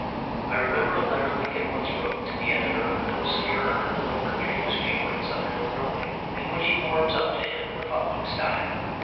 I remember a letter Lincoln once wrote to the editor of an obscure little country newspaper in southern Illinois in which he warms up to him in the following style.